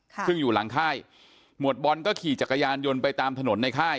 ซึ่งอยู่หลังค่ายหมวดบอลก็ขี่จักรยานยนต์ไปตามถนนในค่าย